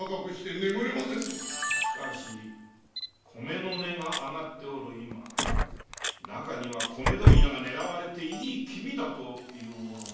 しかし米の値が上がっておる今なかには米問屋が狙われていい気味だと言う者もおるとか？